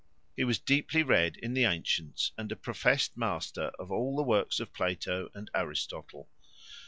He was deeply read in the antients, and a profest master of all the works of Plato and Aristotle.